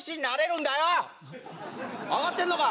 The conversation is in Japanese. わかってんのか？